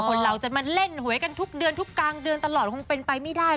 คนเราจะมาเล่นหวยกันทุกเดือนทุกกลางเดือนตลอดคงเป็นไปไม่ได้